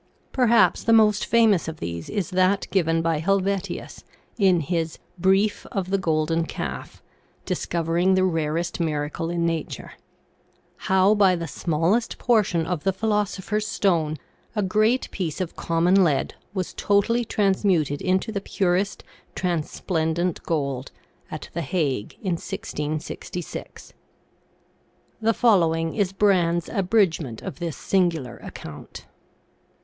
Perhaps the most famous of these is that given by Helvetius in his " Brief of the* Golden Calf ; Discovering the Rarest Miracle in Nature ; how by the smallest portion of the Philosopher's Stone, a great piece of common lead was totally transmuted into the purest transplendent gold, at the Hague in 1666." The following is Brande's abridgment of this singular account.